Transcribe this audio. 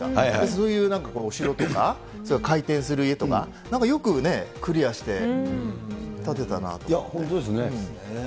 そういうなんかお城とか、回転する家とか、なんかよくね、クリアして、本当ですね。